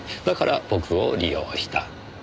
だから僕を利用した。